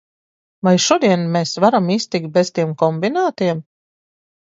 Vai šodien mēs varam iztikt bez tiem kombinātiem?